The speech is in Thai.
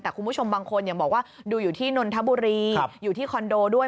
แต่คุณผู้ชมบางคนอย่างบอกว่าดูอยู่ที่นนทบุรีอยู่ที่คอนโดด้วย